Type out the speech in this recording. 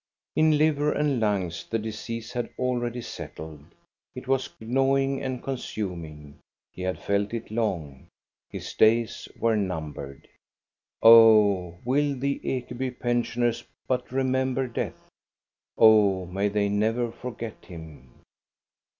In liver and lungs the disease had already settled. It was gnawing and consuming. He had felt it long. His days were numbered. Oh, will the Ekeby pensioners but remember death .^ Oh, may they never forget him!